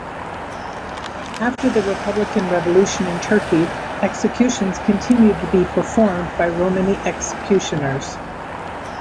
After the republican revolution in Turkey, executions continued to be performed by Romani executioners.